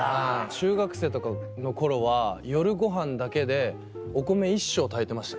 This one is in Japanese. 中学生とかの頃は夜ごはんだけでお米１升炊いてました。